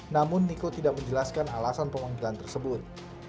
namun niko tidak menjelaskan alasan pemanggilan tersebut